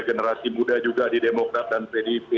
generasi muda juga di demokrat dan pdip